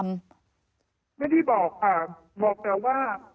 ไม่ได้บอกค่ะคือว่า